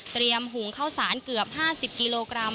หุงข้าวสารเกือบ๕๐กิโลกรัม